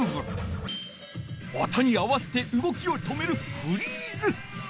音に合わせてうごきを止める「フリーズ」。